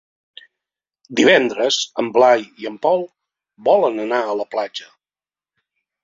Divendres en Blai i en Pol volen anar a la platja.